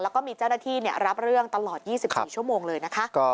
แล้วก็มีเจ้าหน้าที่รับเรื่องตลอด๒๔ชั่วโมงเลยนะคะ